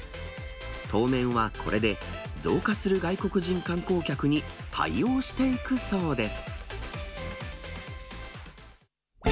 当面はこれで、増加する外国人観光客に対応していくそうです。